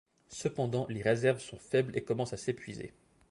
Cependant, les réserves sont faibles et commencent à s'épuiser.